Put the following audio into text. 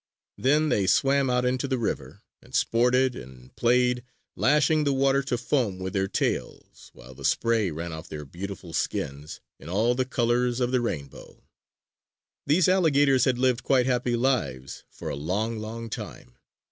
Then they swam out into the river and sported and played, lashing the water to foam with their tails, while the spray ran off their beautiful skins in all the colors of the rainbow. These alligators had lived quite happy lives for a long, long time.